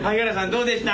どうでした？